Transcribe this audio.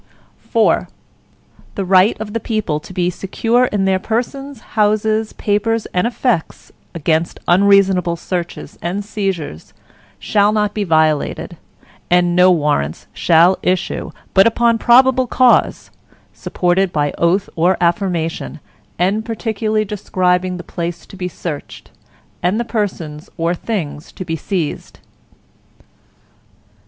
IV The right of the people to be secure in their persons, houses, papers, and effects, against unreasonable searches and seizures, shall not be violated, and no Warrants shall issue, but upon probable cause, supported by oath or affirmation, and particularly describing the place to be searched, and the persons or things to be seized.